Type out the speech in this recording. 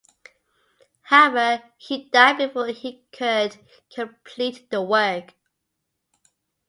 However, he died before he could complete the work.